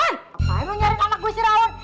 kenapa lu nyari anak gue siraun